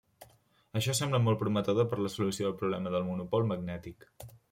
Això sembla molt prometedor per a la solució del problema del monopol magnètic.